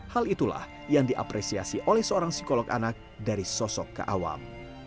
hal itulah yang diapresiasi oleh seorang psikolog anak dari sosok ke awam